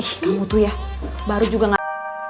sh kamu tuh ya baru juga gak